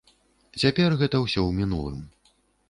Цяпер гэта ўсё ў мінулым.